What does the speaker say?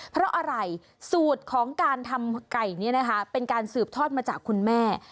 เพราะอะไรสูตรของการทำไก่นี้นะคะเป็นการสืบทอดมาจากคุณแม่